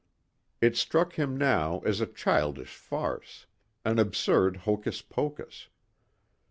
It struck him now as a childish farce an absurd hocus pocus.